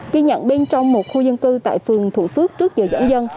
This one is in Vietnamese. ghi nhận bên trong một khu dân cư tại phường thuận phước trước giờ dãn dân